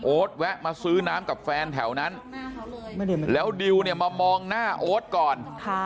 แวะมาซื้อน้ำกับแฟนแถวนั้นแล้วดิวเนี่ยมามองหน้าโอ๊ตก่อน